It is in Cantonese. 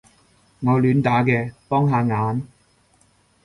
我亂打嘅，幫下眼